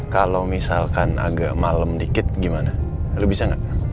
kalau misalkan agak malem dikit gimana lo bisa gak